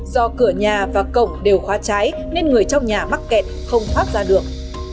do cửa nhà và cổng đều khóa cháy nên người trong nhà mắc kẹt không thoát ra được